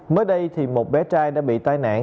mới đây thì một bé trai đã bị tai nạn